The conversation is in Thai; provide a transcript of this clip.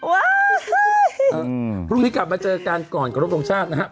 ว้าวพรุ่งนี้กลับมาเจอกันก่อนกระทบโรงชาตินะครับ